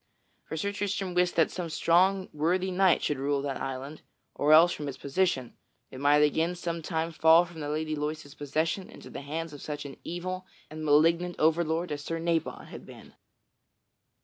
For Sir Tristram wist that some strong worthy knight should rule that island, or else, from its position, it might again some time fall from the Lady Loise's possession into the hands of such an evil and malignant overlord as Sir Nabon had been.